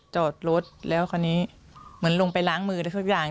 จอดรถแล้วคราวนี้เหมือนลงไปล้างมือได้ทุกอย่าง